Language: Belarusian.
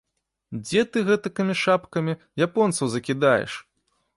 Дзе ты гэтакімі шапкамі японцаў закідаеш?!